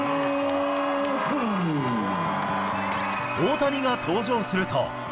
大谷が登場すると。